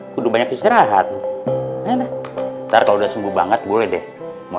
sudah banyak istirahat enak ntar kalau udah sembuh banget boleh deh mau